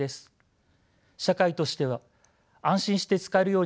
社会としては安心して使えるようにルールを整備していくこと